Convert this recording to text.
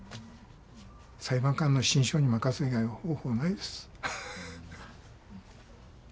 裁判官の心証に任す以外方法ないです。